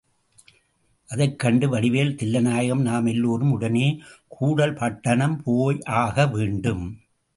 அதைக் கண்டு வடிவேல் தில்லைநாயகம், நாமெல்லோரும் உடனே கூடல் பட்டணம் போயாக வேண்டும்.